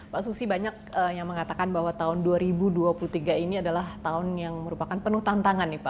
pak susi banyak yang mengatakan bahwa tahun dua ribu dua puluh tiga ini adalah tahun yang merupakan penuh tantangan nih pak